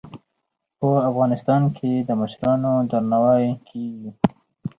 په افغانستان کې د مشرانو درناوی کیږي.